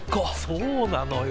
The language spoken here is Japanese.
そうなのよ。